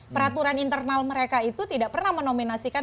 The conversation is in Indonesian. peraturan internal mereka itu tidak pernah menominasikan